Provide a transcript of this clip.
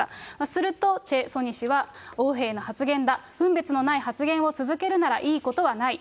するとチェ・ソニ氏は横柄な発言だ、分別のない発言を続けるならいいことはない。